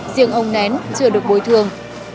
riêng ông nén chưa được bồi thường